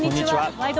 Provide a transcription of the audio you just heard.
「ワイド！